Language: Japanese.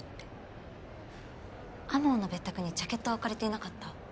天羽の別宅にジャケットは置かれていなかった？